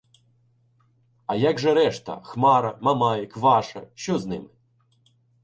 А як же решта — Хмара, Мамай, Кваша — що з ними?